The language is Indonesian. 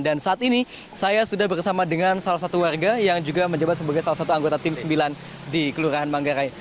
dan saat ini saya sudah bersama dengan salah satu warga yang juga menjembat sebagai salah satu anggota tim sembilan di kelurahan manggarai